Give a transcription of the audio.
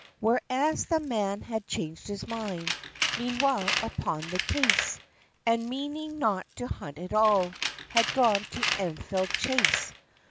Whereas the man had changed his mind, Meanwhile upon the case! And meaning not to hunt at all, Had gone to Enfield Chase.